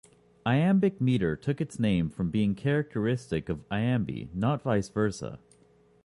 Iambic metre took its name from being characteristic of "iambi", not vice versa.